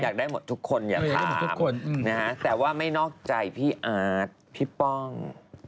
อยากได้หมดทุกคนอยากถามคนนะฮะแต่ว่าไม่นอกใจพี่อาร์ตพี่ป้อง